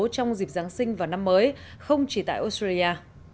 trong dịp giáng sinh và năm mới không chỉ tại australia